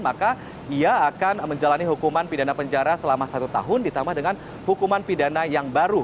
maka ia akan menjalani hukuman pidana penjara selama satu tahun ditambah dengan hukuman pidana yang baru